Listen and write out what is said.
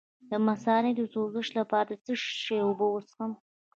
د مثانې د سوزش لپاره د څه شي اوبه وڅښم؟